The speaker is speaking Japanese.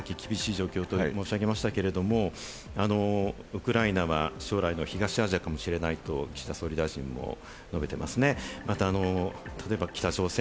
ただ、さっき厳しい状況と申し上げましたけど、ウクライナは将来の東アジアかもしれないと岸田総理大臣も述べていますね。